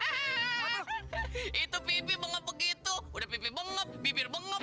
hahaha itu pipi bengep begitu udah pipi bengep bibir bengep